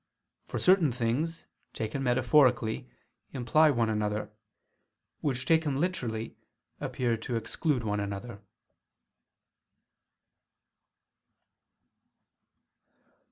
For certain things, taken metaphorically, imply one another, which taken literally, appear to exclude one another.